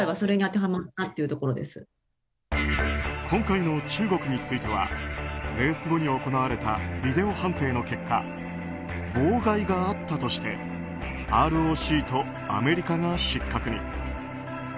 今回の中国についてはレース後に行われたビデオ判定の結果妨害があったとしてＲＯＣとアメリカが失格に。